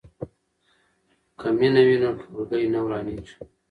که مینه وي نو ټولګی نه ورانیږي.